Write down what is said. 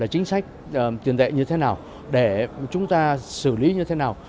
chính sách tiền tệ như thế nào để chúng ta xử lý như thế nào